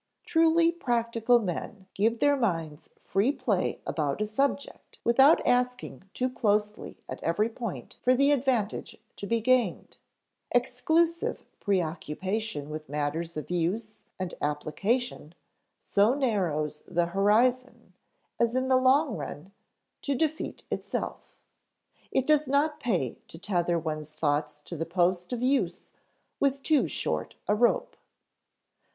Truly practical men give their minds free play about a subject without asking too closely at every point for the advantage to be gained; exclusive preoccupation with matters of use and application so narrows the horizon as in the long run to defeat itself. It does not pay to tether one's thoughts to the post of use with too short a rope.